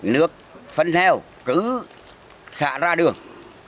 nước phân heo cứ xả ra đường